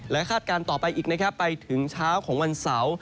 และคาดการณ์ต่อไปอีกไปถึงเช้าของวันเสาร์